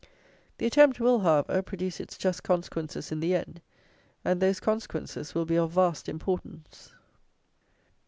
The attempt will, however, produce its just consequences in the end; and those consequences will be of vast importance.